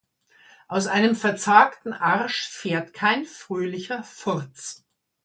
Aus einem verzagten Arsch fährt kein fröhlicher Furz.